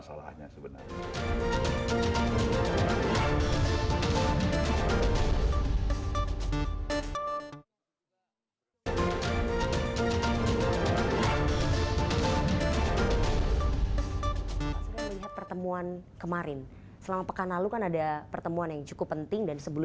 sebelum kita ajak tentu kita jaga dulu